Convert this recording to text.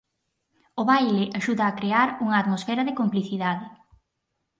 O baile axuda a crear unha atmosfera de complicidade.